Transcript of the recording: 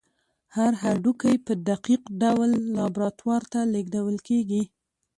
هر هډوکی په دقیق ډول لابراتوار ته لیږدول کېږي.